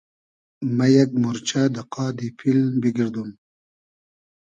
مۂ یئگ مورچۂ دۂ قادی پیل بیگئردوم